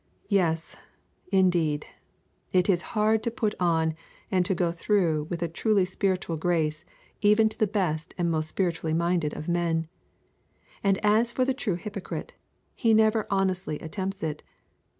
Yes, indeed; it is hard to put on and to go through with a truly spiritual grace even to the best and most spiritually minded of men; and as for the true hypocrite, he never honestly attempts it.